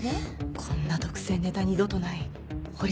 こんな独占ネタ二度とない掘り